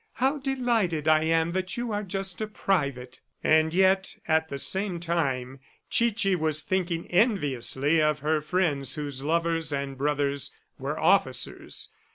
How delighted I am that you are just a private! ..." And yet, at the same time, Chichi was thinking enviously of her friends whose lovers and brothers were officers.